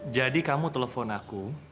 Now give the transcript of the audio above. jadi kamu telepon aku